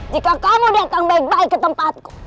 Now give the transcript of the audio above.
jika kamu datang balik balik ke tempatku